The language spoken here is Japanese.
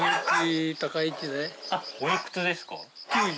あっおいくつですか？